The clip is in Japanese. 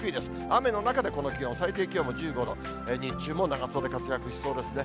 雨の中でこの気温、最低気温も１５度、日中も長袖活躍しそうですね。